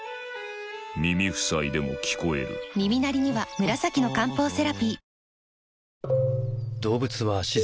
耳塞いでも聞こえる耳鳴りには紫の漢方セラピー